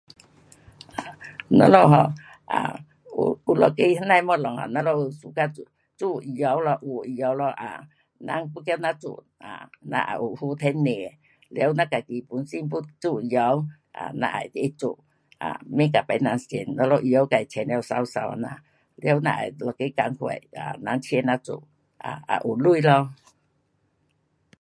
我们 um 啊有，有一个那呐的东西我们就 suka 做衣物咯，有衣物咯，um 人要叫咱做 um 咱也有好赚吃，了咱自己本身要做衣物，um 咱也会跟他做，um 免给别人穿，咱们自衣物穿了美美这样。了咱也在那赶快，um 人请咱做，um 也有钱咯。